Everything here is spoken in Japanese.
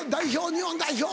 日本代表！